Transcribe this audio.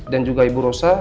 dan juga ibu rosa